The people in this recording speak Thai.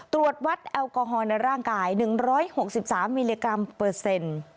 ตรวจวัดแอลกอฮอลในร่างกาย๑๖๓มิลลิกรัมเปอร์เซ็นต์